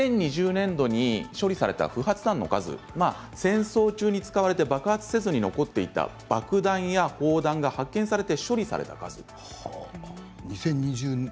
２０２０年度に処理された不発弾の数戦争中に使われて爆発せずに残っていた爆弾や砲弾が発見されて処理された数です。